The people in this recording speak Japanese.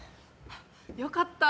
よかった！